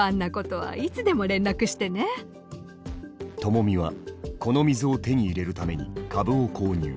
ともみはこの水を手に入れるために株を購入。